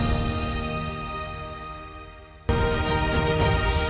ketika mengambil alihkan keamanan